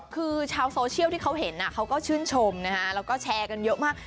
คือชาวโซเชียลที่เขาเห็นเขาก็ชื่นชมนะฮะแล้วก็แชร์กันเยอะมาก